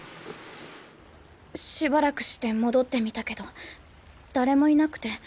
しばらくして戻ってみたけど誰もいなくて。